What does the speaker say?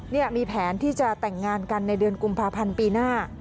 นี่มีแผนที่จะแต่งงานกันในเดือนกุมภาพันธ์ปีหน้า